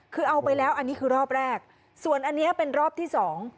คือเอาไปแล้วอันนี้คือรอบแรกส่วนอันเนี้ยเป็นรอบที่สอง